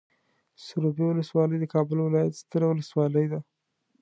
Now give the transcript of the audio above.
سروبي ولسوالۍ د کابل ولايت ستر ولسوالي ده.